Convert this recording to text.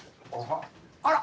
あら。